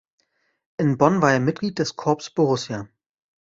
In Bonn war er Mitglied des Corps Borussia.